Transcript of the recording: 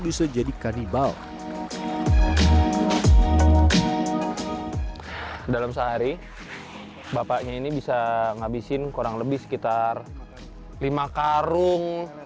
bisa jadi kanibau dalam sehari bapaknya ini bisa ngabisin kurang lebih sekitar lima karung